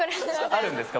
あるんですか？